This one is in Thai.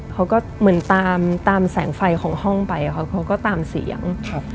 เขาตามแสงไฟของห้องไปเขาก็ตามเสียง